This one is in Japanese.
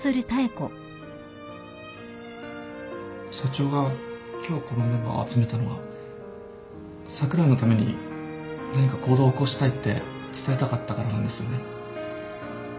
社長が今日このメンバーを集めたのは櫻井のために何か行動を起こしたいって伝えたかったからなんですよね？